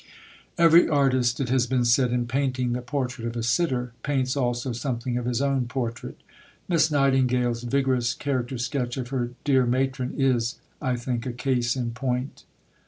Every artist, it has been said, in painting the portrait of a sitter, paints also something of his own portrait. Miss Nightingale's vigorous character sketch of her "dear Matron" is, I think, a case in point.